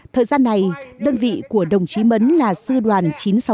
thời gian này đơn vị của đồng chí mấn là sư đoàn chín trăm sáu mươi tám